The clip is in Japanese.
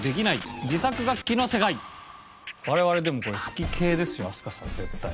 我々でもこれ好き系ですよ飛鳥さん絶対。